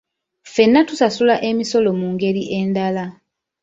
Ffenna tusasula emisolo mu ngeri endala.